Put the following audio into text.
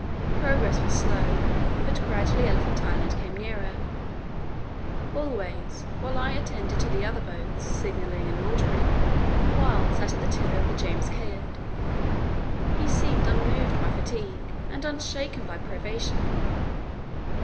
Progress was slow, but gradually Elephant Island came nearer. Always while I attended to the other boats, signalling and ordering, Wild sat at the tiller of the James Caird. He seemed unmoved by fatigue and unshaken by privation.